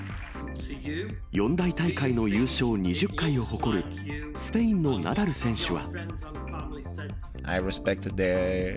四大大会の優勝２０回を誇るスペインのナダル選手は。